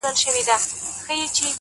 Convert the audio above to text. د سپینتمان د سردونو د یسنا لوري ـ